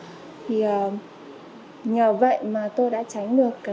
vậy mà tôi đã tránh được cái sự lừa đảo qua cái tin nhắn đấy